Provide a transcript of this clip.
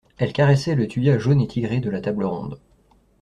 Elle caressait le thuya jaune et tigré de la table ronde.